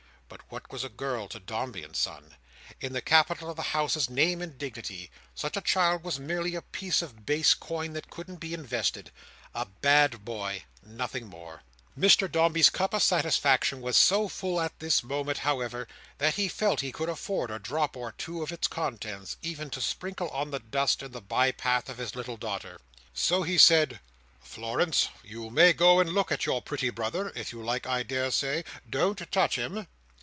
But what was a girl to Dombey and Son! In the capital of the House's name and dignity, such a child was merely a piece of base coin that couldn't be invested—a bad Boy—nothing more. Mr Dombey's cup of satisfaction was so full at this moment, however, that he felt he could afford a drop or two of its contents, even to sprinkle on the dust in the by path of his little daughter. So he said, "Florence, you may go and look at your pretty brother, if you like, I daresay. Don't touch him!"